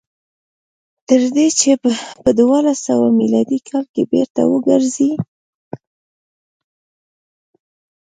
تر دې چې په دولس سوه میلادي کال کې بېرته وګرځي.